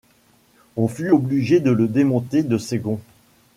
On fut obligé de le démonter de ses gonds.